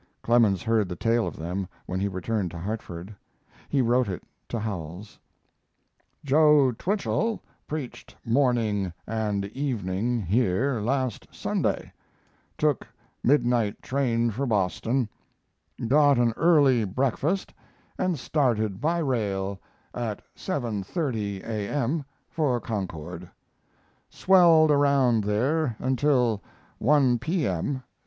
Clemens heard the tale of them when he returned to Hartford. He wrote it to Howells: Joe Twichell preached morning and evening here last Sunday; took midnight train for Boston; got an early breakfast and started by rail at 7.30 A.M. for Concord; swelled around there until 1 P.M.